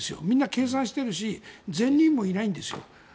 みんな計算しているし善人もいないんです。